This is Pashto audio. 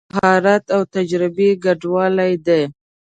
کورس د مهارت او تجربه ګډوالی دی.